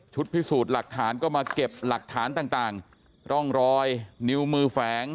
พิสูจน์หลักฐานก็มาเก็บหลักฐานต่างร่องรอยนิ้วมือแฝง